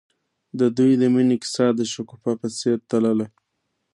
د دوی د مینې کیسه د شګوفه په څېر تلله.